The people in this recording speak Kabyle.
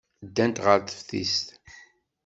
Ddant ɣer teftist.